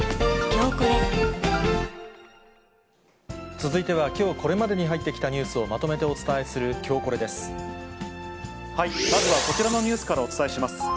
続いては、きょうこれまでに入ってきたニュースをまとめてお伝えする、まずはこちらのニュースからお伝えします。